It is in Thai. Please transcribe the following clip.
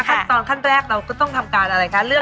ขั้นตอนขั้นแรกเราก็ต้องทำการอะไรคะ